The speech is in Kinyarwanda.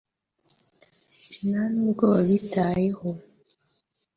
ntanubwo babitayeho